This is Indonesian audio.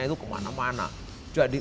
itu kemana mana jadi